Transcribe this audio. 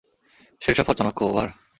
Sher Shah for Chanakya, over!